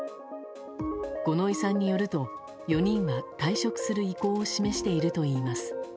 五ノ井さんによると４人は退職する意向を示しているといいます。